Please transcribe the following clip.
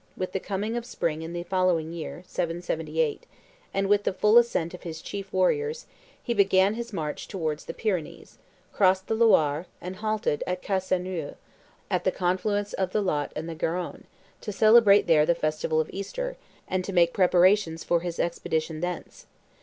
With the coming of spring in the following year, 778, and with the full assent of his chief warriors, he began his march towards the Pyrenees, crossed the Loire, and halted at Casseneuil, at the confluence of the Lot and the Garonne, to celebrate there the festival of Easter, and to make preparations for his expedition thence.